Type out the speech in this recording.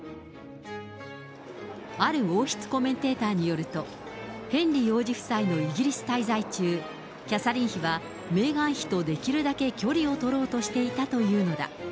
ある王室コメンテーターによると、ヘンリー王子夫妻のイギリス滞在中、キャサリン妃はメーガン妃とできるだけ距離を取ろうとしていたというのだ。